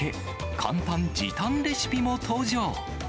簡単時短レシピも登場。